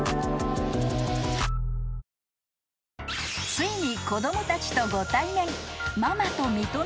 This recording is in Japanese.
［ついに子供たちとご対面］